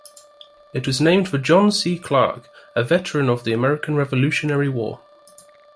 It was named for John C. Clarke, a veteran of the American Revolutionary War.